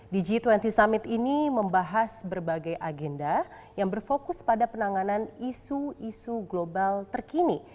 di g dua puluh summit ini membahas berbagai agenda yang berfokus pada penanganan isu isu global terkini